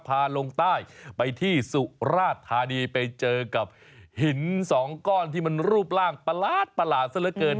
ลงใต้ไปที่สุราธานีไปเจอกับหินสองก้อนที่มันรูปร่างประหลาดซะเหลือเกิน